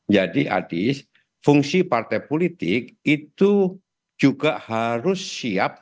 jadi adis fungsi partai politik itu juga harus siap